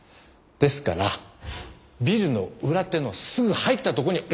ですからビルの裏手のすぐ入ったとこに落ちてたんですよ。